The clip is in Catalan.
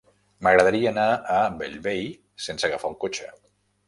M'agradaria anar a Bellvei sense agafar el cotxe.